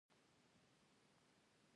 هغه په خپله کاري برخه کې وارد وي.